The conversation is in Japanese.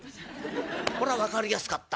「こりゃ分かりやすかった。